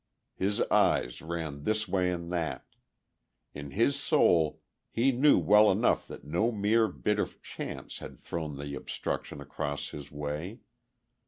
His eyes ran this way and that; in his soul he knew well enough that no mere bit of chance had thrown the obstruction across his way.